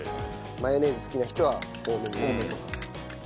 マヨネーズ好きな人は多めに入れてとか。